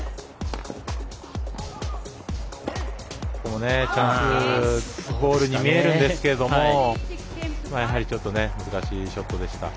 ここチャンスボールに見えるんですけどやはり難しいショットでした。